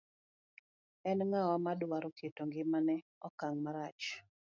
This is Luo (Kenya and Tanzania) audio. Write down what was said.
En ng'awa madwaro keto ng'ima ne okang' marach.